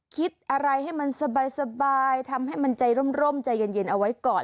คิดอะไรให้มันสบายทำให้มันใจร่มใจเย็นเอาไว้ก่อน